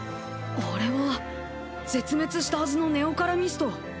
あれは絶滅したはずのネオカラミスト。